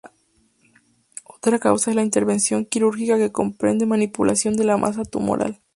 Otra causa es la intervención quirúrgica que comprende manipulación de la masa tumoral.